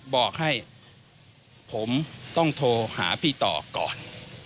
บอกให้ผมต้องโทรหาพี่ต่อก่อน